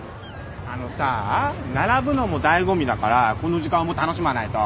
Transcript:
あのさ並ぶのも醍醐味だからこの時間も楽しまないと。